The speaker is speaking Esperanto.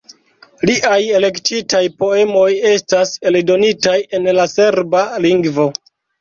Liaj elektitaj poemoj estas eldonitaj en la serba lingvo.